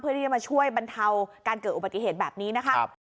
ที่จะมาช่วยบรรเทาการเกิดอุบัติเหตุแบบนี้นะคะ